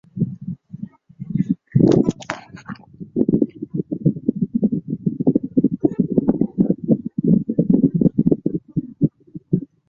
立陶宛人视德军为将他们从苏联的压迫中救出来的解放者。